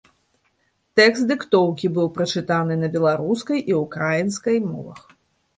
Тэкст дыктоўкі быў прачытаны на беларускай і ўкраінскай мовах.